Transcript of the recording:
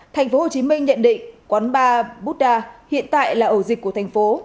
tp hcm nhận định quán bar buddha hiện tại là ổ dịch của thành phố